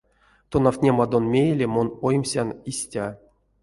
Тонавтнемадон мейле мон оймсян истя.